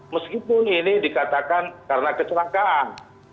meskipun ini dikatakan karena kecelakaan